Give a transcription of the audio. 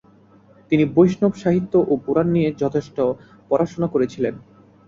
তিনি বৈষ্ণব সাহিত্য ও পুরাণ নিয়ে যথেষ্ট পড়াশোনা করেছিলেন।